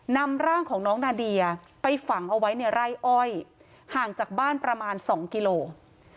นำร่างของน้องนาเดียไปฝังเอาไว้ในไร่อ้อยห่างจากบ้านประมาณ๒กิโลกรัม